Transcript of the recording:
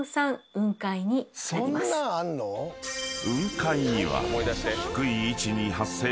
［雲海には低い位置に発生する］